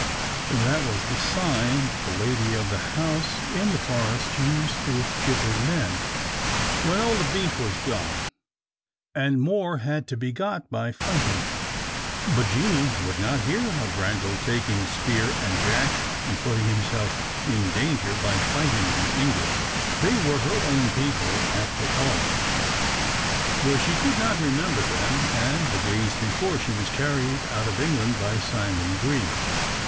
That was the sign the lady of the house in the Forest used to give her men, when all the beef was done, and more had to be got by fighting. But Jeanie would not hear of Randal taking spear and jack, and putting himself in danger by fighting the English. They were her own people after all, though she could not remember them and the days before she was carried out of England by Simon Grieve.